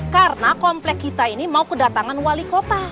karena komplek kita ini mau kedatangan wali kota